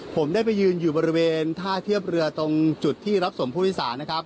ผมได้ไปยืนอยู่บริเวณท่าเทียบเรือตรงจุดที่รับทรมพุทธศาสน์